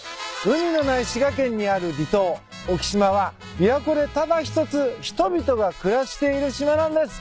海のない滋賀県にある離島沖島は琵琶湖でただ一つ人々が暮らしている島なんです。